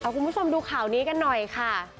คุณผู้ชมดูข่าวนี้กันหน่อยค่ะ